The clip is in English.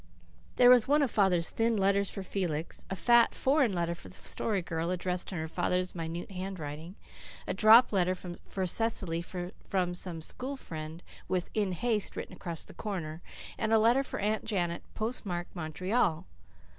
There was one of father's thin letters for Felix, a fat, foreign letter for the Story Girl, addressed in her father's minute handwriting, a drop letter for Cecily from some school friend, with "In Haste" written across the corner, and a letter for Aunt Janet, postmarked Montreal.